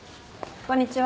こんにちは。